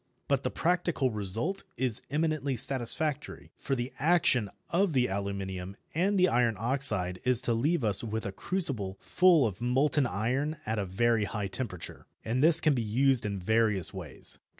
But the practical result is eminently satisfactory, for the action of the aluminium and iron oxide is to leave us with a crucible full of molten iron at a very high temperature. And this can be used in various ways.